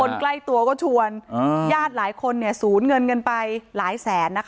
คนใกล้ตัวก็ชวนญาติหลายคนสูญเงินไปหลายแสน